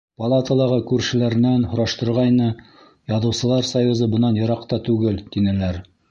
Палаталағы күршеләренән һораштырғайны, Яҙыусылар союзы бынан йыраҡ та түгел, тинеләр.